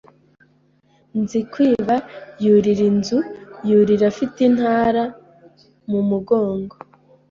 Nzikwiba yurira inzu yurira afite intara mumugongo